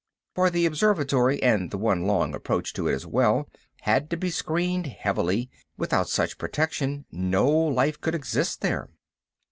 For the observatory, and the one long approach to it as well, had to be screened heavily; without such protection no life could exist there.